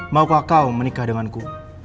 maukah kau menikah denganku